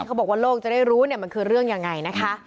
ก็บอกว่าโลกจะได้รู้เนี่ยมันคือเรื่องอย่างไงนะครับ